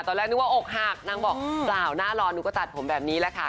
ตอนแรกนึกว่าอกหักนางบอกเปล่าหน้ารอหนูก็ตัดผมแบบนี้แหละค่ะ